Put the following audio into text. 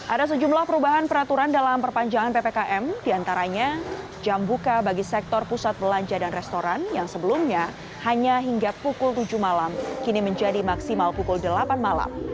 ada sejumlah perubahan peraturan dalam perpanjangan ppkm diantaranya jam buka bagi sektor pusat belanja dan restoran yang sebelumnya hanya hingga pukul tujuh malam kini menjadi maksimal pukul delapan malam